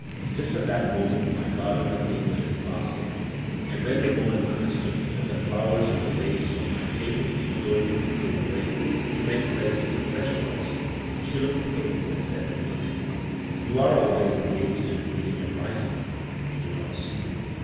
Just at that moment my gardener came with his basket, and when the woman understood that the flowers in the vase on my table were going to be thrown away, to make place for the fresh ones, she looked pained and said to me, "You are always engaged reading and writing; you do not see."